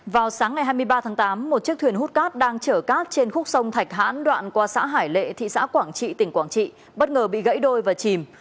vào sáng ngày hai mươi ba tháng tám một chiếc thuyền hút cát đang chở cát trên khúc sông thạch hãn đoạn qua xã hải lệ thị xã quảng trị tỉnh quảng trị bất ngờ bị gãy đôi và chìm